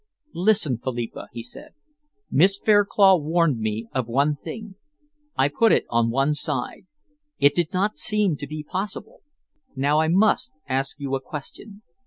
"Listen, Philippa," he said, "Miss Fairclough warned me of one thing. I put it on one side. It did not seem to be possible. Now I must ask you a question.